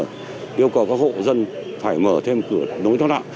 yêu cầu các hộ dân phải mở thêm cửa nối thoát nạn